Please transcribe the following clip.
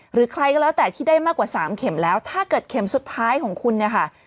หรือใครก็แล้วแต่ที่ได้มากกว่า๓เข็มแล้วถ้าเกิดเข็มสุดท้ายของคุณเนี่ยค่ะ